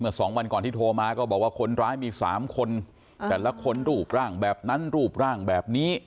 สองวันก่อนที่โทรมาก็บอกว่าคนร้ายมี๓คนแต่ละคนรูปร่างแบบนั้นรูปร่างแบบนี้